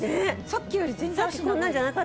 さっきより全然脚長い。